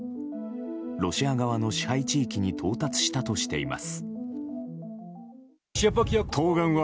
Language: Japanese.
ロシア側の支配地域に到達したとしています。